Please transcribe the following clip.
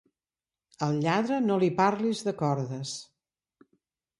Al lladre no li parlis de cordes.